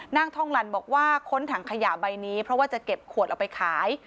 นางท่องลันบอกว่าค้นถังขยะใบนี้เพราะว่าจะเก็บขวดเอาไปขาย